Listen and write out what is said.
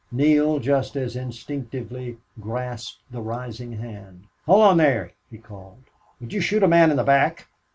Neale, just as instinctively, grasped the rising hand. "Hold on, there!" he called. "Would you shoot a man in the back?"